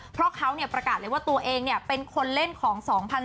เพราะเขาประกาศเลยว่าตัวเองเป็นคนเล่นของ๒๐๑๘